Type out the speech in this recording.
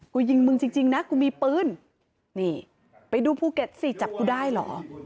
ยิงมึงจริงจริงนะกูมีปืนนี่ไปดูภูเก็ตสิจับกูได้เหรอ